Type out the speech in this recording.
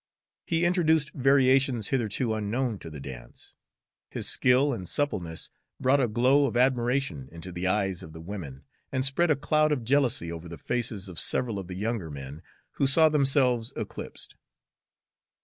He introduced variations hitherto unknown to the dance. His skill and suppleness brought a glow of admiration into the eyes of the women, and spread a cloud of jealousy over the faces of several of the younger men, who saw themselves eclipsed.